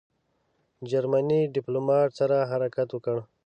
جرمني ډیپلوماټ سره حرکت وکړ.